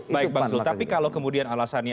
baik bang zul tapi kalau kemudian alasannya